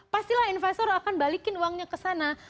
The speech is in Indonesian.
pastilah investor akan balikin uangnya ke sana